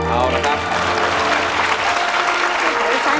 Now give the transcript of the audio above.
เอาละครับ